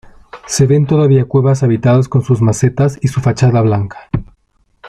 Se ven todavía cuevas habitadas con sus macetas y su fachada blanca.